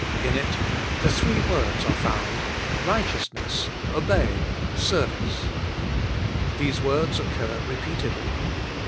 In it the three words are found — righteotiS7iess^ ohey^ service> These words occur repeatedly.